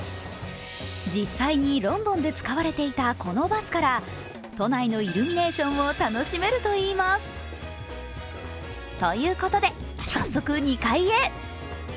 実際にロンドンで使われていたこのバスから都内のイルミネーションを楽しめるといいます。ということで、早速２階へ。